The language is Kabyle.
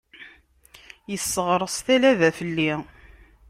Isseɣṛes talaba fell-i.